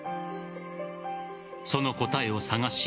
その答えを探し